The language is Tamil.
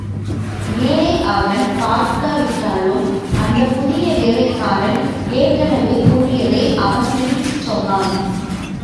நேரே அவன் பார்க்காவிட்டாலும், அந்தப் புதிய வேலைக்காரன் ஏற்கெனவே கூறியதை அவன் திருப்பிச் சொன்னான்.